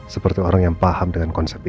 seperti orang yang paham dengan konsep ini